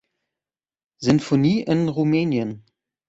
Sinfonie in Rumänien.